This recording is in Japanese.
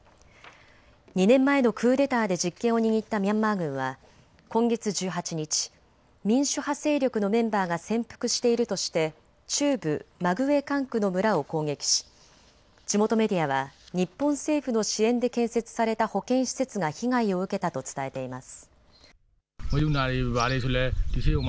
２年前のクーデターで実権を握ったミャンマー軍は今月１８日、民主派勢力のメンバーが潜伏しているとして中部マグウェ管区の村を攻撃し地元メディアは日本政府の支援で建設された保健施設が被害を受けたと伝えています。